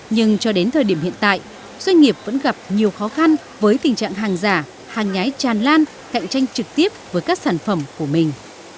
nhưng cho đến thời điểm hiện tại doanh nghiệp vẫn gặp nhiều khó khăn với tình trạng hàng giả hàng nhái tràn lan cạnh tranh trực tiếp với các sản phẩm của mình